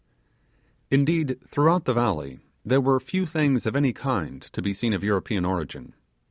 Indeed, throughout the valley, there were few things of any kind to be seen of European origin.